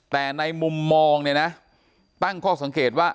แต่ในมุมมองตั้งข้อสังเกตว่า